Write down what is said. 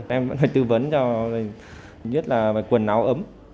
em vẫn phải tư vấn cho lần nhất là quần áo ấm